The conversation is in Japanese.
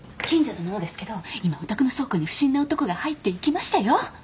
近所の者ですけど今お宅の倉庫に不審な男が入っていきましたよ